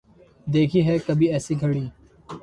دیکھی ہے کبھی ایسی گھڑی